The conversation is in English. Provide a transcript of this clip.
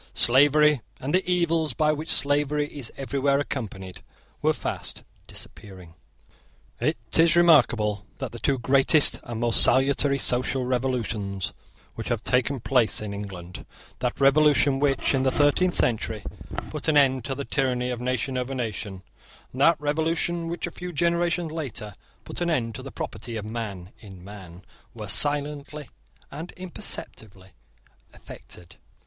Slavery and the evils by which slavery is everywhere accompanied were fast disappearing. It is remarkable that the two greatest and most salutary social revolutions which have taken place in England, that revolution which, in the thirteenth century, put an end to the tyranny of nation over nation, and that revolution which, a few generations later, put an end to the property of man in man, were silently and imperceptibly effected.